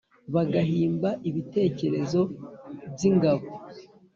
bagahimba Ibitekerezo By’ingabo.